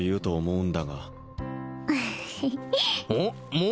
うん？